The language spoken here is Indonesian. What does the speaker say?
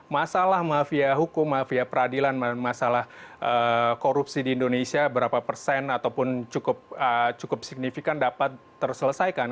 masalah mafia hukum mafia peradilan masalah korupsi di indonesia berapa persen ataupun cukup signifikan dapat terselesaikan